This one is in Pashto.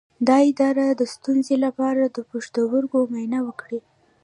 د ادرار د ستونزې لپاره د پښتورګو معاینه وکړئ